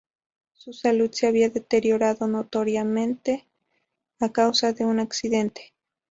Su salud se había deteriorado notoriamente a causa de un accidente.